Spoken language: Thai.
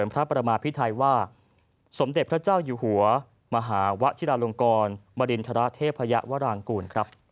พระเจ้าอยู่หัวมหาวะธิราลงกรมรินทราธิพยาวรางกุล